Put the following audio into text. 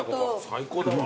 最高だわ。